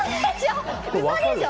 嘘でしょ！